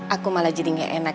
aku malah jadi gak enak